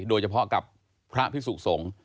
โดยเฉพาะกับพระพิสุสงฆ์